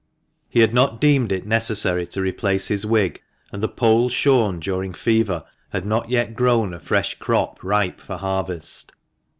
He had not deemed it necessary to replace his wig, and the poll shorn during fever _had not yet grown a fresh crop ripe for harvest.